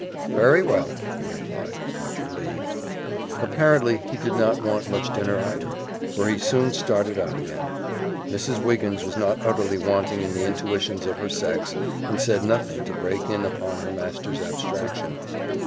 "Very well," he replied, much relieved. Apparently he did not want much dinner, either, for he soon started out again. Mrs. Wiggins was not utterly wanting in the intuitions of her sex, and said nothing to break in upon her master's abstraction.